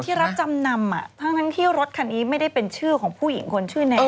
รับจำนำทั้งที่รถคันนี้ไม่ได้เป็นชื่อของผู้หญิงคนชื่อแนน